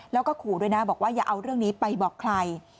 แล้วก็ขู่ด้วยนะบอกว่าอย่าเอาเรื่องนี้ไปบอกใคร